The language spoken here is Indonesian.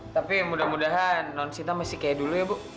tapi mudah mudahan nonsinta masih kayak dulu ya bu